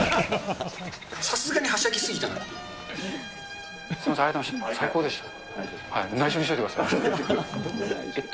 さすがにはしゃぎすぎたなと。